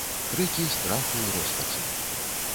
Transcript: Крыкі страху і роспачы.